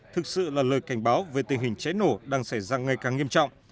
thực sự là lời cảnh báo về tình hình cháy nổ đang xảy ra ngày càng nghiêm trọng